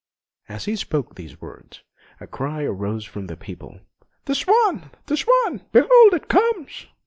As he spoke these words, a cry arose from the people: "The swan! The swan! Behold it comes!"